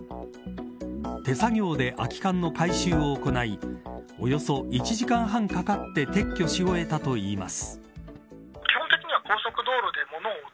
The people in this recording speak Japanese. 手作業で空き缶の回収を行いおよそ１時間半かかって撤去し終えたといいます。